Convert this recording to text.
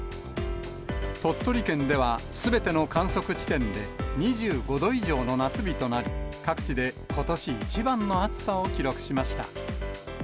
鳥取県では、すべての観測地点で２５度以上の夏日となり、各地でことし一番の暑さを記録しました。